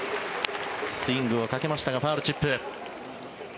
スイングをかけましたがファウルチップ。